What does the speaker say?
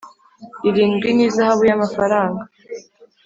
irindwi n ihazabu y amafaranga